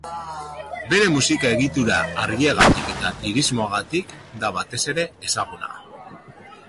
Bere musika-egitura argiagatik eta lirismoagatik da batez ere ezaguna.